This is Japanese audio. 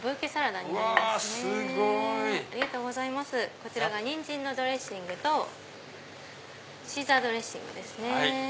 こちらがニンジンのドレッシングとシーザードレッシングですね。